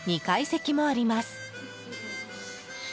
２階席もあります。